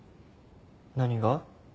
何が？